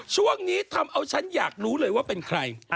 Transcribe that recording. ช่วงนี้ทำเอาฉันอยากรู้เลยว่าเป็นใคร